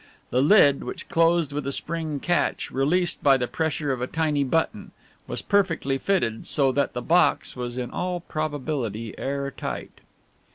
The lid, which closed with a spring catch, released by the pressure of a tiny button, was perfectly fitted so that the box was in all probability air tight.